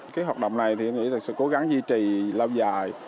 cái hoạt động này thì mình sẽ cố gắng duy trì lâu dài